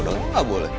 kamu gak boleh